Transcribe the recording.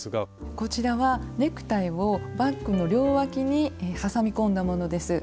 こちらはネクタイをバッグの両わきにはさみ込んだものです。